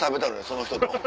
その人と。